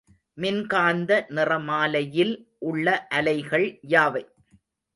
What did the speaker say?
மின்காந்த நிறமாலையில் உள்ள அலைகள் யாவை?